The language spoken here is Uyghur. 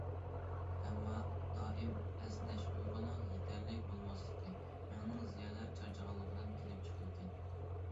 ئەمما دائىم ئەسنەش ئۇيقۇنىڭ يېتەرلىك بولماسلىقى، مېڭىنىڭ زىيادە چارچىغانلىقتىن كېلىپ چىقىدىكەن.